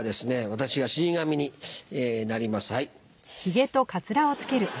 私が死神になります。